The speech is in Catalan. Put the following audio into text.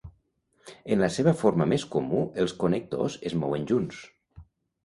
En la seva forma més comú els connectors es mouen junts.